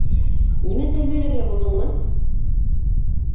Нимә, тәрбиәләргә булдыңмы?